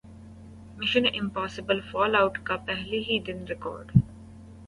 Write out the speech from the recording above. mission Impossible Fallout کا پہلے ہی دن ریکارڈ